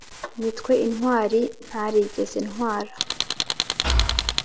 nitwe intwari ntarigeze ntwara